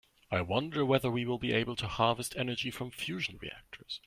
I wonder whether we will be able to harvest energy from fusion reactors.